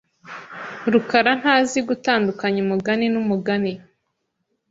rukarantazi gutandukanya umugani numugani.